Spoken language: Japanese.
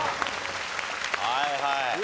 はいはい。